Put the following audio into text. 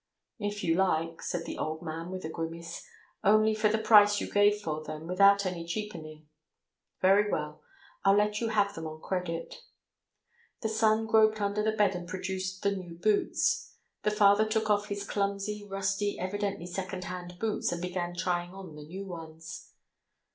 "If you like," said the old man with a grimace, "only for the price you gave for them, without any cheapening." "Very well, I'll let you have them on credit." The son groped under the bed and produced the new boots. The father took off his clumsy, rusty, evidently second hand boots and began trying on the new ones.